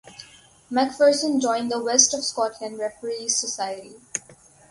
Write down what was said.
Macpherson joined the West of Scotland Referees Society.